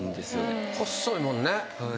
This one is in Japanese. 細いもんね。